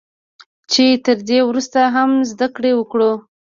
چې تر دې ورسته هم زده کړه وکړو